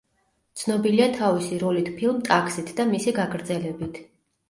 ცნობილია თავისი როლით ფილმ „ტაქსით“ და მისი გაგრძელებით.